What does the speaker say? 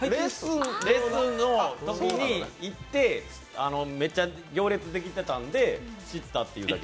レッスンのときに行って、メッチャ行列できてたんで知ったという。